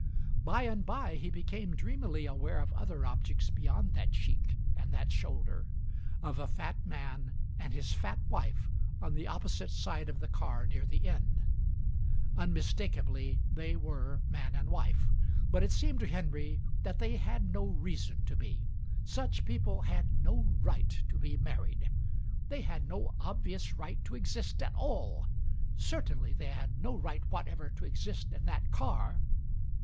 By and by he became dreamily aware of other objects beyond that cheek and that shoulder, of a fat man and his fat wife on the opposite side of the car near the end. Unmistakably they were man and wife, but it seemed to Henry that they had no reason to be — such people had no right to be married. They had no obvious right to exist at all; certainly they had no right whatever to exist in that car.